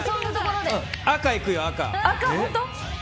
赤いくよ、赤。